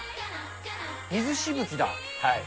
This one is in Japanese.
水しぶきだ。